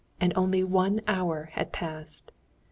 And only one hour had passed.